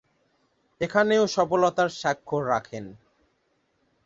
এখানেও সফলতার স্বাক্ষর রাখেন।